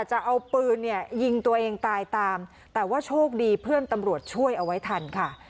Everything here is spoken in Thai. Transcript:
จะเอาปืนเนี่ยยิงตัวเองตายตามแต่ว่าโชคดีเพื่อนตำรวจช่วยเอาไว้ทันค่ะ